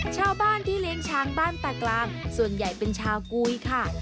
ชาวบ้านที่เลี้ยงช้างบ้านตากลางส่วนใหญ่เป็นชาวกุยค่ะ